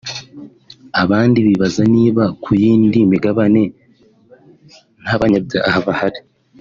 abandi bibaza niba ku yindi migabane ntabanyabyaha bahari